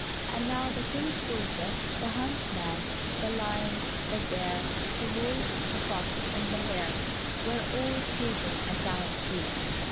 And now the King's daughter, the huntsman, the lion, the bear, the wolf, the fox, and the hare, were all sleeping a sound sleep.